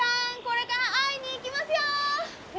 これから会いに行きますよ！